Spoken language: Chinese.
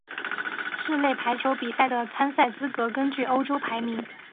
室内排球比赛的参赛资格根据欧洲排名。